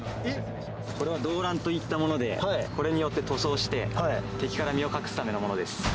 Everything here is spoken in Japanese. これはドーランといったもので、これによって塗装して、敵から身を隠すためのものです。